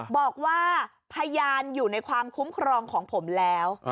บอกว่าพยานอยู่ในความคุ้มครองของผมแล้ว